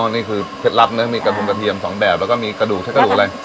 อ๋อนี่คือเพชรลับเนอะมีกระทุ่มกระเทียม๒แบบแล้วก็มีกระดูกใช้กระดูกอะไร